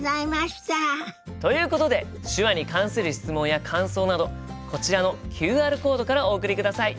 ということで手話に関する質問や感想などこちらのＱＲコードからお送りください。